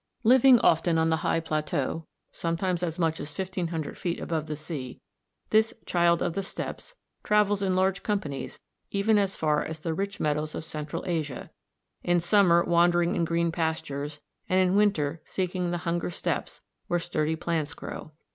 Living often on the high plateaux, sometimes as much as 1500 feet above the sea, this "child of the steppes" travels in large companies even as far as the rich meadows of Central Asia; in summer wandering in green pastures, and in winter seeking the hunger steppes where sturdy plants grow.